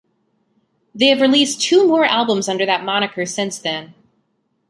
They have released two more albums under that moniker since then.